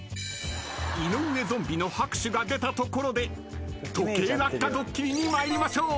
［井上ゾンビの拍手が出たところで時計落下ドッキリに参りましょう］